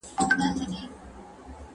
د زړه د زمکې د ښايست آسمان ته هيڅ مه وايه